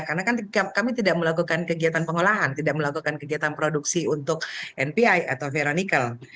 karena kami tidak melakukan kegiatan pengolahan tidak melakukan kegiatan produksi untuk npi atau veronikel